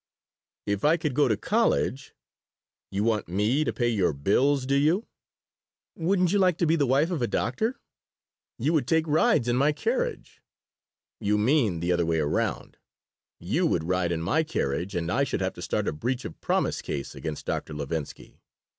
"If I could go to college " "You want me to pay your bills, do you?" "Wouldn't you like to be the wife of a doctor? You would take rides in my carriage " "You mean the other way around: you would ride in my carriage and I should have to start a breach of promise case against 'Dr. Levinsky.'